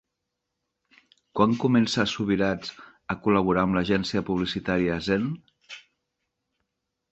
Quan comença Subirachs a col·laborar amb l'agència publicitària Zen?